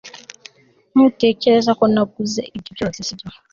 Ntutekereza ko naguze ibyo byose sibyo